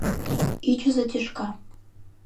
Ӱчызӧ тӱшка.